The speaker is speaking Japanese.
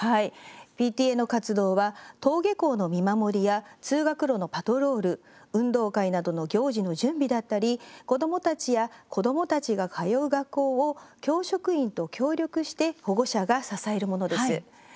ＰＴＡの活動は登下校の見守りや通学路のパトロール運動会などの行事の準備だったり子どもたちや子どもたちが通う学校を教職員と協力して保護者が支えるものです。